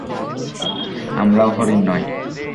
আমরাও হরিণ নই।